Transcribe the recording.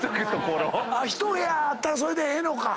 １部屋あったらそれでええのか。